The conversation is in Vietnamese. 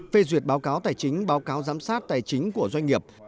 phê duyệt báo cáo tài chính báo cáo giám sát tài chính của doanh nghiệp